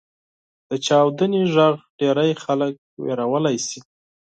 • د چاودنې ږغ ډېری خلک وېرولی شي.